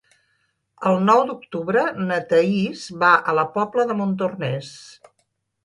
El nou d'octubre na Thaís va a la Pobla de Montornès.